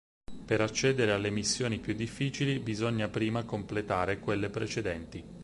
Per accedere alle missioni più difficili bisogna prima completare quelle precedenti.